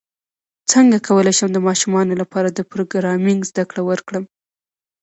څنګه کولی شم د ماشومانو لپاره د پروګرامینګ زدکړه ورکړم